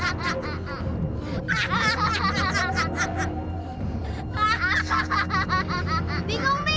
ada pusuk di daerah kamu semua